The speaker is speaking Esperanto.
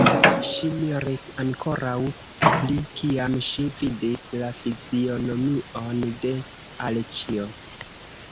Ŝi miris ankoraŭ pli, kiam ŝi vidis la fizionomion de Aleĉjo.